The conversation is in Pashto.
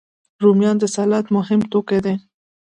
رومیان د سلاد مهم توکي دي